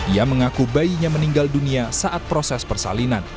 ia mengaku bayinya meninggal dunia saat proses persalinan